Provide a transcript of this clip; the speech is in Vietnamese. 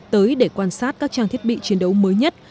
tới để quan sát các trang thiết bị chiến đấu mới nhất